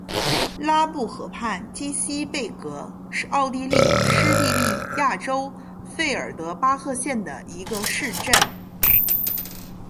拉布河畔基希贝格是奥地利施蒂利亚州费尔德巴赫县的一个市镇。